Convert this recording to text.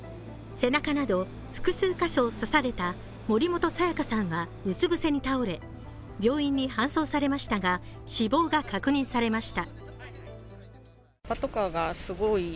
背中など複数箇所を刺された森本彩加さんがうつ伏せに倒れ、病院に搬送されましたが死亡が確認されました。